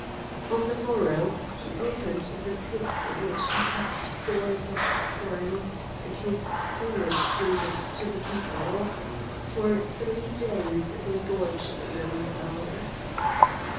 On the morrow he opened the pits in which he kept stores of corn, and his stewards gave it to the people. For three days they gorged themselves.